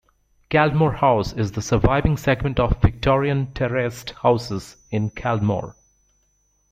Caldmore House is the surviving segment of Victorian terraced houses in Caldmore.